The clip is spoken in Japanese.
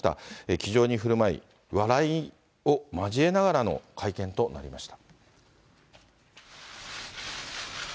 気丈にふるまい、笑いを交えながらの会見となりました。